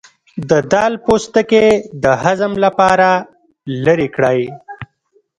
د دال پوستکی د هضم لپاره لرې کړئ